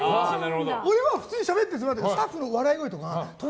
俺は普通にしゃべってるつもりなんだけどスタッフの笑い声とか。